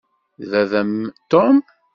D baba-m Tom.